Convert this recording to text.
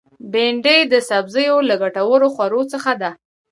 بېنډۍ د سبزیو له ګټورو خوړو څخه ده